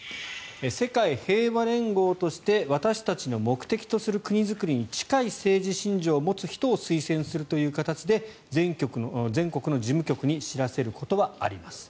世界平和連合として私たちの目的とする国づくりに近い政治信条を持つ人を推薦するという形で全国の事務局に知らせることはあります。